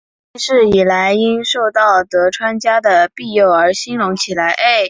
近世以来因受到德川家的庇佑而兴隆起来。